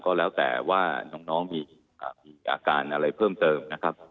ก็แล้วแต่ว่าน้องมีอาการอะไรเพิ่มเติมนะครับ